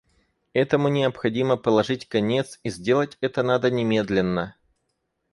Этому необходимо положить конец и сделать это надо немедленно.